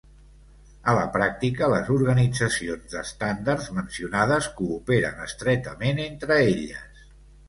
A la pràctica, les organitzacions d'estàndards mencionades cooperen estretament entre elles.